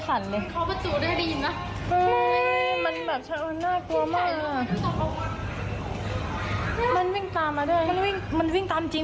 มันวิ่งตามจริงบอกว่าอย่าตามมาแล้ว